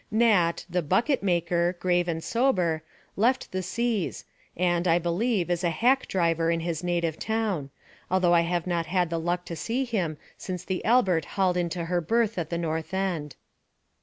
Nat, the "bucket maker," grave and sober, left the seas, and, I believe, is a hack driver in his native town, although I have not had the luck to see him since the Alert hauled into her berth at the North End.